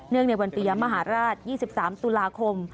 เนื่องในวันปียมหาราช๒๓ตุลาคม